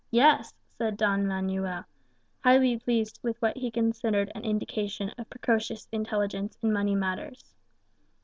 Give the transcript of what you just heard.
"Yes," said Don Manuel, highly pleased with what he considered an indication of precocious intelligence in money matters.